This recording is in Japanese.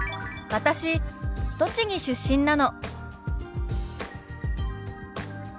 「私栃木出身なの」。